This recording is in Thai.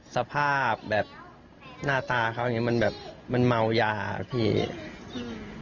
สภาพแบบหน้าตาเขาอย่างงี้มันแบบมันเมายาครับพี่มันดูออกอะครับ